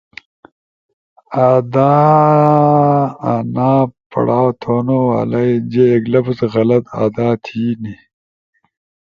ا آدانیا پڑاؤ تھونو والائی جے ایک لفظ غلط ادا تھینی،